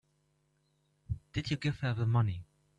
Did you give her the money?